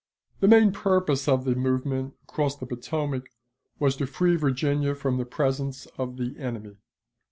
The main purpose of the movement across the Potomac was to free Virginia from the presence of the enemy.